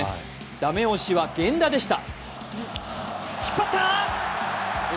駄目押しは源田でした。